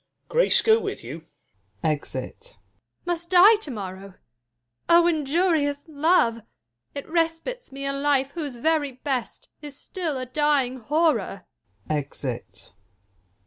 Grace go with you ! [Ej it. Jul. Must die to morrow 1 oh injurious love ! It respites me a life whose very best Is still a dying horror. [Exit.